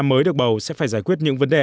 mới được bầu sẽ phải giải quyết những vấn đề